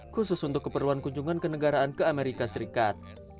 khusus untuk keperluan kunjungan ke negaraan ke amerika serikat